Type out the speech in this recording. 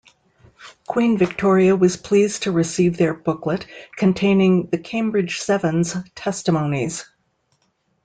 Queen Victoria was pleased to receive their booklet containing The Cambridge Seven's testimonies.